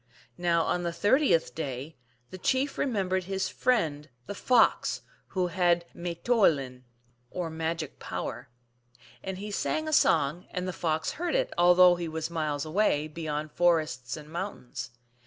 Now on the thirtieth day the chief remembered his . friend the Fox, who had m 9 Moulin (P.)> or magic power. And he sang a song, and the Fox heard it, although he was miles away, beyond forests and moun tains.